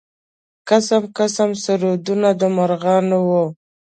قسم قسم سرودونه د مرغانو و.